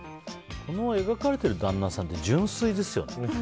描かれてる旦那さんって純粋ですよね。